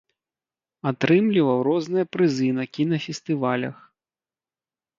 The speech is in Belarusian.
Атрымліваў розныя прызы на кінафестывалях.